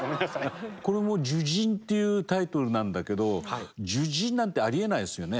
これも「樹人」っていうタイトルなんだけど「樹人」なんてありえないですよね。